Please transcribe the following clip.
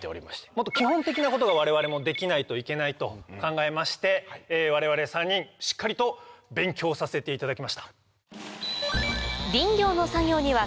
もっと基本的なことが我々もできないといけないと考えまして我々３人しっかりと勉強させていただきました。